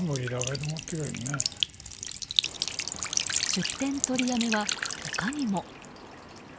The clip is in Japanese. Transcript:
出店取りやめは、他にも。